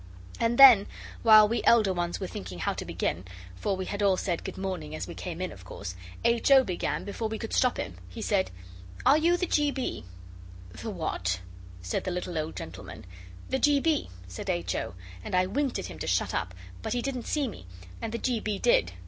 And then, while we elder ones were thinking how to begin, for we had all said 'Good morning' as we came in, of course, H. O. began before we could stop him. He said: 'Are you the G. B.?' 'The what?' said the little old gentleman. 'The G. B.,' said H. O., and I winked at him to shut up, but he didn't see me, and the G. B. did.